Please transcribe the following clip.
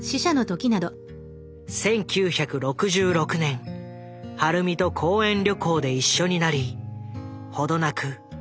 １９６６年晴美と講演旅行で一緒になり程なく男女の仲になった。